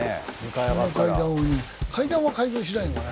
階段は改造しないのかな？